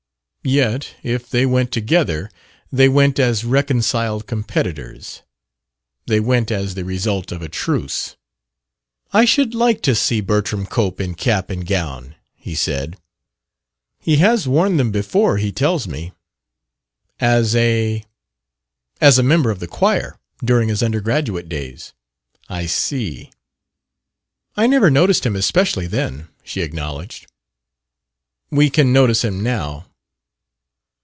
Yet if they went together they went as reconciled competitors, they went as the result of a truce. "I should like to see Bertram Cope in cap and gown," he said. "He has worn them before, he tells me." "As a ?" "As a member of the choir, during his undergraduate days." "I see." "I never noticed him especially, then," she acknowledged. "We can notice him now."